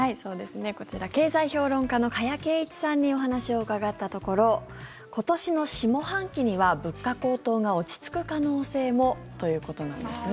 こちら経済評論家の加谷珪一さんにお話を伺ったところ今年の下半期には物価高騰が落ち着く可能性もということなんですね。